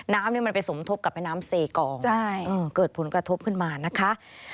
น้ำมันไปสมทบกับแม่น้ำเซกองเกิดผลกระทบขึ้นมานะคะ